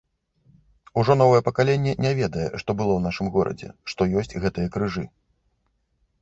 Ужо новае пакаленне не ведае, што было ў нашым горадзе, што ёсць гэтыя крыжы.